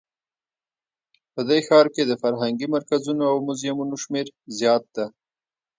په دې ښار کې د فرهنګي مرکزونو او موزیمونو شمیر زیات ده